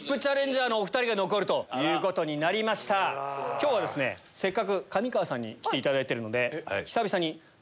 今日はせっかく上川さんに来ていただいてるので。